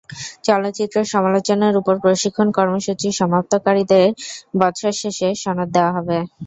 চলচ্চিত্র সমালোচনার ওপর প্রশিক্ষণ কর্মসূচি সমাপ্তকারীদের বছর শেষে সনদ দেওয়া হবে।